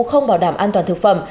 không bảo đảm an toàn thực phẩm